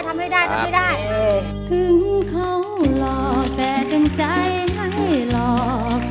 เพราะว่าเคยโดนหลอกก่อนที่จะมาเจอเขา